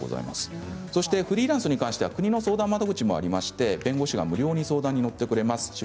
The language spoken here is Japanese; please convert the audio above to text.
フリーランスに関しましては国の相談窓口もありまして弁護士が無料で相談に乗ってくれます。